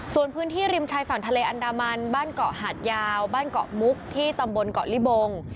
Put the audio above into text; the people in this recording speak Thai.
ส่วนพื้นที่ริมชายฝั่งทะเลอันดามันบ้านเกาะหาดยาวบ้านเกาะมุกที่ตำบลเกาะลิบง